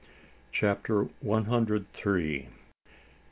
CHAPTER ONE HUNDRED THREE.